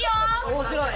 面白い！